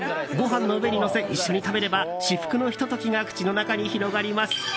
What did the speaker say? ご飯の上にのせ一緒に食べれば至福のひと時が口の中に広がります。